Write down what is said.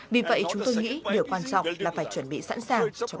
vì vậy chúng tôi nghĩ điều quan trọng là phải chuẩn bị sẵn sàng